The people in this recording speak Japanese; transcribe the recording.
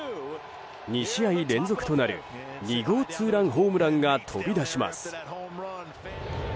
２試合連続となる２号ツーランホームランが飛び出します。